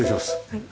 はい。